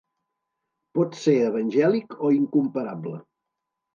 Pot ser evangèlic o incomparable.